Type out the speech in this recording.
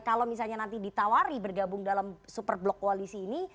kalau misalnya nanti ditawari bergabung dalam super blok koalisi ini